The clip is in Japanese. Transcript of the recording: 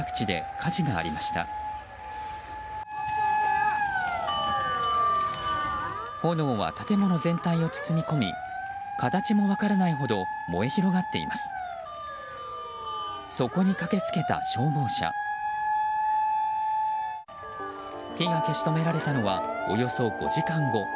火が消し止められたのはおよそ５時間後。